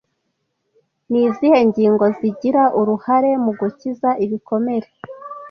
Ni izihe ngingo zigira uruhare mu gukiza ibikomere